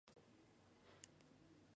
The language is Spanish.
Se alimenta de peces, crustáceos y moluscos.